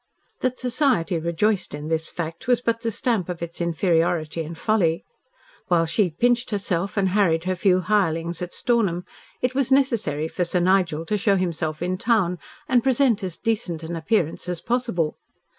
That society rejoiced in this fact was but the stamp of its inferiority and folly. While she pinched herself and harried her few hirelings at Stornham it was necessary for Sir Nigel to show himself in town and present as decent an appearance as possible.